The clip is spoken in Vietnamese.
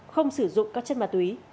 hưng sử dụng các chất mạ túy